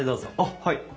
はい。